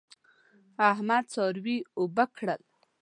احمد څاروي اوبه کړل.